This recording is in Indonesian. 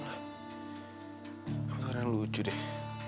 orang orang yang lucu deh